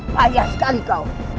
payah sekali kau